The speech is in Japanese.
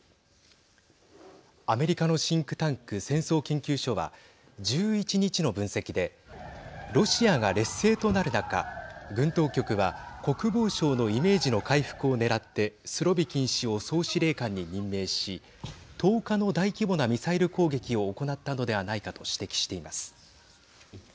アメリカのシンクタンク戦争研究所は１１日の分析でロシアが劣勢となる中軍当局は、国防省のイメージの回復をねらってスロビキン氏を総司令官に任命し１０日の大規模なミサイル攻撃を行ったのではないかと指摘しています。